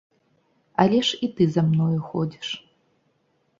Але ж і ты за мною ходзіш.